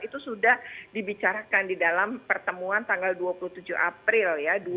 itu sudah dibicarakan di dalam pertemuan tanggal dua puluh tujuh april dua ribu dua puluh